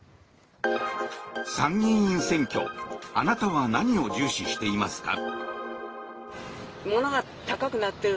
参議院選挙あなたは何を重視していますか？